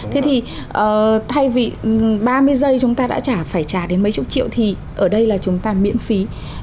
thế thì thay vì ba mươi giây chúng ta đã trả phải trả đến mấy chục triệu thì ở đây là chúng ta miễn phí